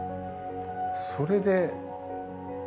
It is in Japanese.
それで。